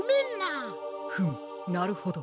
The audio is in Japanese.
フムなるほど。